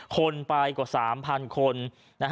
คนไปกว่า๓๐๐คน